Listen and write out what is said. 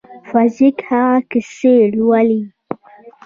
فزیک هغه کیسې لولي.